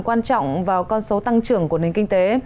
quan trọng vào con số tăng trưởng của nền kinh tế